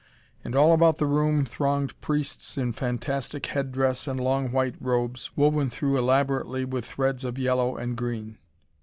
And all about the room thronged priests in fantastic head dress and long white robes, woven through elaborately with threads of yellow and green.